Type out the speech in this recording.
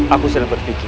aku sedang berpikir